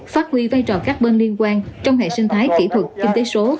phát huy vai trò các bên liên quan trong hệ sinh thái kỹ thuật kinh tế số